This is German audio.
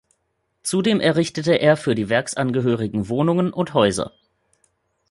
Zudem errichtete er für die Werksangehörigen Wohnungen und Häuser.